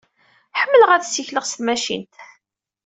Ḥemmleɣ ad ssikleɣ s tmacint.